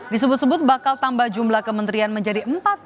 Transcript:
disebut sebut bakal tambah jumlah kementerian menjadi